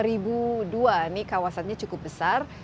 ini kawasannya cukup besar